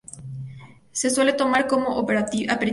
Se suele tomar como aperitivo.